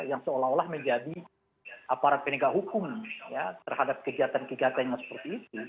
yang seolah olah menjadi aparat penegak hukum ya terhadap kegiatan kegiatannya seperti itu